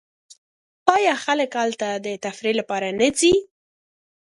آیا خلک هلته د تفریح لپاره نه ځي؟